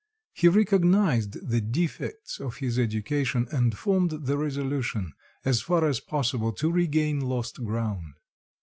He recognised the defects of his education, and formed the resolution, as far as possible, to regain lost ground.